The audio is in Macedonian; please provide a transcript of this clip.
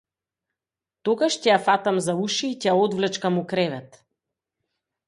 Тогаш ќе ја фатам за уши и ќе ја одвлечкам у кревет!